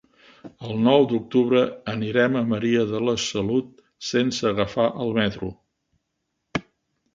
El nou d'octubre anirem a Maria de la Salut sense agafar el metro.